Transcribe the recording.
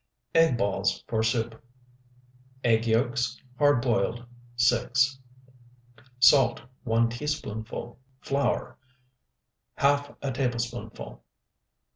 EGG BALLS FOR SOUP Egg yolks, hard boiled, 6. Salt, 1 teaspoonful. Flour, ½ tablespoonful.